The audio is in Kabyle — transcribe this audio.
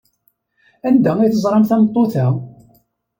Anda ay teẓram tameṭṭut-a?